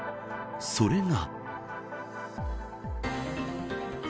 それが。